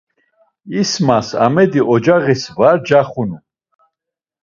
İsmas Amedi ocağis var caxunu.